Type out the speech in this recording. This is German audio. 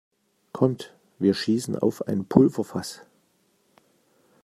Kommt, wir schießen auf ein Pulverfass!